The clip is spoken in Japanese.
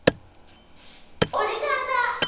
おじさんだ。